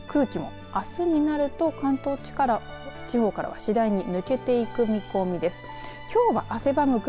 ただ、この空気あすになると関東地方からは次第に抜けていく見込みです。